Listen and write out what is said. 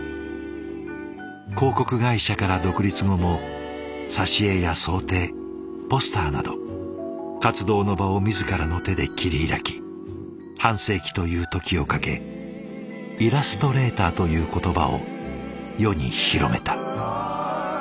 広告会社から独立後も挿絵や装丁ポスターなど活動の場を自らの手で切り開き半世紀という時をかけイラストレーターという言葉を世に広めた。